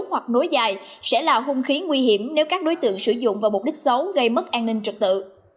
hoặc nối dài sẽ là hung khí nguy hiểm nếu các đối tượng sử dụng vào mục đích xấu gây mất an ninh trật tự